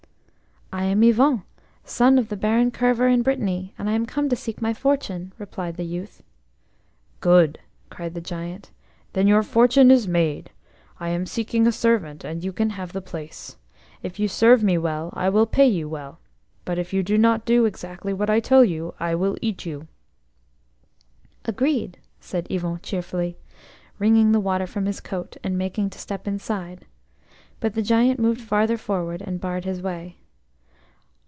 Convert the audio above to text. "I am Yvon, son of the Baron Kerver in Brittany, and I am come to seek my fortune," replied the youth. "Good," cried the Giant. "Then your fortune is made. I am seeking a servant, and you can have the place. If you serve me well I will pay you well, but if you do not do exactly what I tell you I will eat you." "Agreed," said Yvon cheerfully, wringing the water from his coat and making to step inside. But the Giant moved farther forward and barred his way.